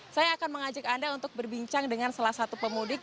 saya akan mengajak anda untuk berbincang dengan salah satu pemudik